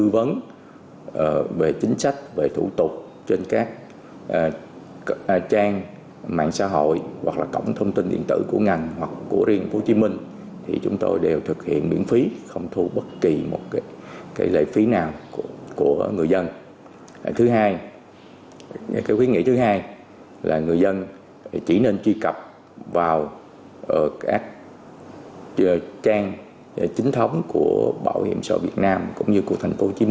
vào các trang chính thống của bảo hiểm xã hội việt nam cũng như của thành phố hồ chí minh